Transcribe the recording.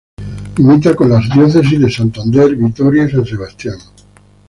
Limita con las diócesis de Santander, Vitoria y San Sebastián.